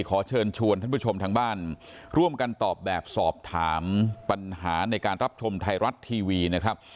ขอเชิญชวนท่านผู้ชมทางบ้านร่วมกันตอบแบบสอบถามปัญหาในการรับชมไทยรัฐทีวีนะครับ